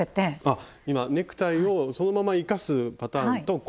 あっ今ネクタイをそのまま生かすパターンとコラージュ。